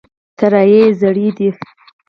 الوتکې یې زړې دي.